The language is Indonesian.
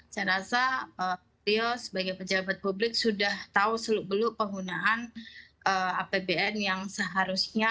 saya rasa beliau sebagai pejabat publik sudah tahu seluk beluk penggunaan apbn yang seharusnya